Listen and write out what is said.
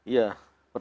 dan ada apa apa layanan